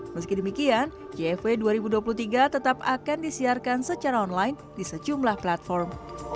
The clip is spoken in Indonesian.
meski demikian jfw dua ribu dua puluh tiga tetap akan disiarkan secara online di sejumlah platform